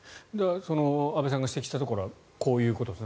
安部さんが指摘したところはこういうところですね。